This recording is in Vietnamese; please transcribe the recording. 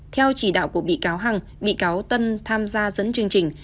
theo chỉ đạo của bị cáo hằng bị cáo tân tham gia dẫn chương trình